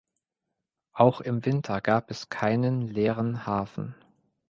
Auch im Winter gab es keinen leeren Hafen.